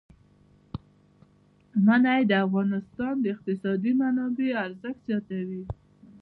منی د افغانستان د اقتصادي منابعو ارزښت زیاتوي.